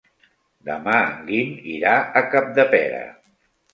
Demà en Guim irà a Capdepera.